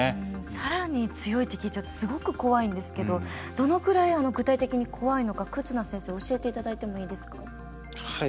さらに強いと聞いちゃうとすごく怖いんですけどどのくらい具体的に怖いのか、忽那先生教えていただいてもいいですか？